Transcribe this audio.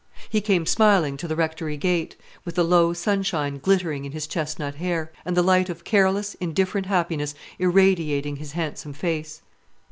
He came smiling to the Rectory gate, with the low sunshine glittering in his chesnut hair, and the light of careless, indifferent happiness irradiating his handsome face.